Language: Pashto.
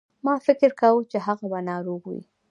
ما فکر کاوه چې هغه به ناروغ وي.